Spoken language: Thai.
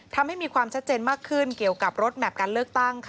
ทำให้มีความชัดเจนมากขึ้นเกี่ยวกับรถแมพการเลือกตั้ง